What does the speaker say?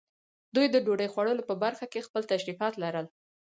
دوی د ډوډۍ خوړلو په برخه کې خپل تشریفات لرل.